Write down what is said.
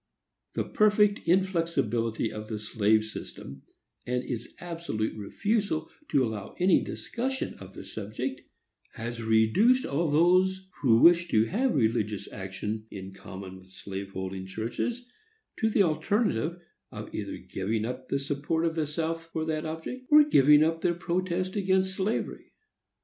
The perfect inflexibility of the slave system, and its absolute refusal to allow any discussion of the subject, has reduced all those who wish to have religious action in common with slave holding churches to the alternative of either giving up the support of the South for that object, or giving up their protest against slavery.